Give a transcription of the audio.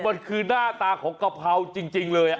มันคือหน้าตาของกะเพราจริงเลย